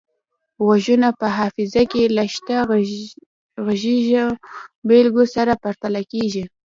غږونه په حافظه کې له شته غږیزو بیلګو سره پرتله کیږي